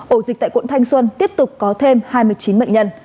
ổ dịch tại quận thanh xuân tiếp tục có thêm hai mươi chín bệnh nhân